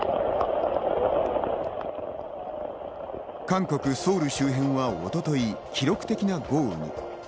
韓国・ソウル周辺は一昨日、記録的な豪雨に。